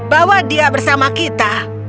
bawa dia bersama kita